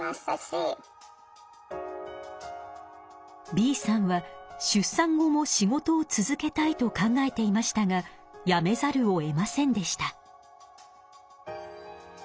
Ｂさんは出産後も仕事を続けたいと考えていましたがやめざるをえませんでした。